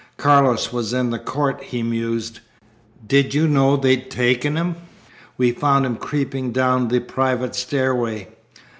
"Carlos was in the court," he mused. "Did you know they'd taken him? We found him creeping down the private stairway."